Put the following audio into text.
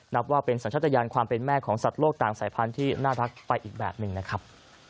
นับว่าเป็นสัญชาติยานความเป็นแม่ของสัตว์โลกต่างสายพันธุ์ที่น่ารักไปอีกแบบหนึ่งนะครับ